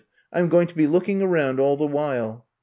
I 'm going to be looking around all the while.